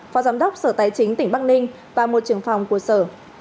phó giám đốc sở tài chính tỉnh bắc ninh và một trưởng phòng của sở